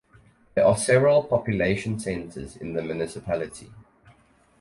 There are several population centers in the municipality.